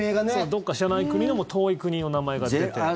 どこか知らない国の遠い国の名前が出て。